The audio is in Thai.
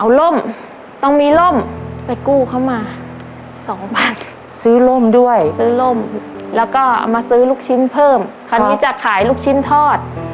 เอาร่มต้องมีร่มไปกู้เขามาสองบาทซื้อร่มด้วยซื้อล่มแล้วก็เอามาซื้อลูกชิ้นเพิ่มคราวนี้จะขายลูกชิ้นทอด